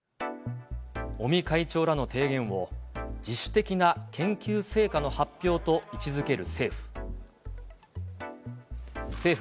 尾身会長らの提言を、自主的な研究成果の発表と位置づける政府。